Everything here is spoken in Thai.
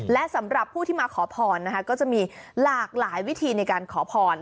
และสำหรับผู้ที่มาขอพรนะคะก็จะมีหลากหลายวิธีในการขอพร